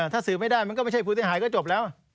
ถ้าสืบไม่ได้มันก็ไม่ใช่ผู้เสียหายก็จบแล้ว